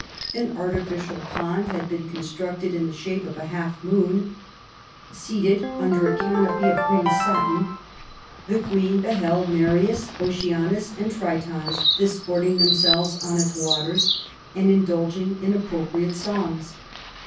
An artificial pond had been constructed in the shape of a half moon. Seated under a canopy of green satin, the Queen beheld Nereus, Oceanus, and Tritons 254 QUEEN ELIZABETH, disporting themselves on its waters, and indulging in appropriate songs.